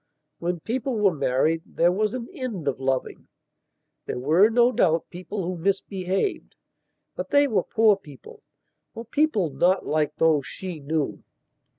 When people were married there was an end of loving. There were, no doubt, people who misbehavedbut they were poor peopleor people not like those she knew.